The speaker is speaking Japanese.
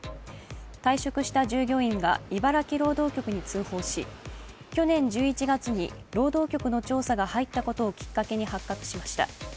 退職した従業員が茨城労働局に通報し、去年１１月に労働局の調査が入ったことをきっかけに発覚しました。